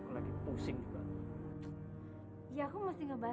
gak usah menyesal